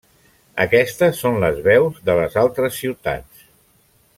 Aquestes són les veus de les altres ciutats.